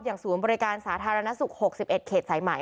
ศูนย์บริการสาธารณสุข๖๑เขตสายไหม